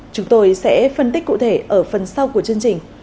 chúng tôi sẽ phân tích cụ thể ở phần sau của chương trình